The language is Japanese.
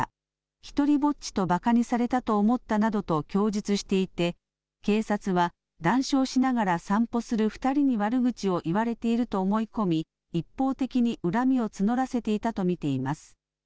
独りぼっちとばかにされたと思ったなどと供述していて警察は談笑しながら散歩する２人に悪口を言われていると思い込み一方的に恨みを募らせていたと見ています。